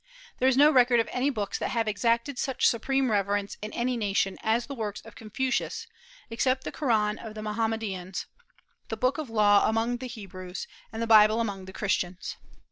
There is no record of any books that have exacted such supreme reverence in any nation as the Works of Confucius, except the Koran of the Mohammedans, the Book of the Law among the Hebrews, and the Bible among the Christians.